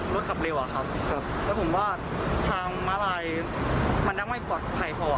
แล้วผมว่าทางมาลัยมันนักไม่ปลอดภัยพอ